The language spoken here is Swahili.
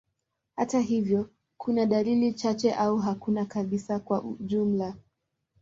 Hata hivyo, kuna dalili chache au hakuna kabisa kwa ujumla.